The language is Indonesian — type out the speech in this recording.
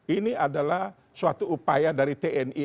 ini adalah suatu upaya dari tni